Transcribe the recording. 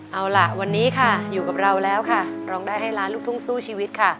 เอาล่ะวันนี้ค่ะอยู่กับเราแล้วค่ะร้องได้ให้ล้านลูกทุ่งสู้ชีวิตค่ะ